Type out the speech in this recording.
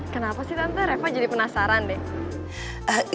kenapa sih tante revo jadi penasaran deh